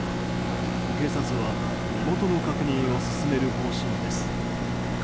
警察は、身元の確認を進める方針です。